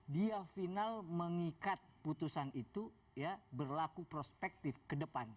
dia final mengikat putusan itu berlaku prospektif ke depan